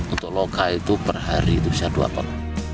untuk lokal itu per hari setelah dua bulan